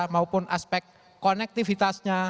maupun aspek konektivitasnya